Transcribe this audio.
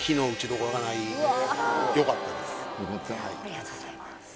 ありがとうございます